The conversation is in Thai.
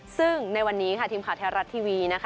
ซึ่งในวันนี้ค่ะทีมข่าวไทยรัฐทีวีนะคะ